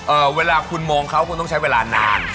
เวลาคุณมองเขาคุณต้องใช้เวลานาน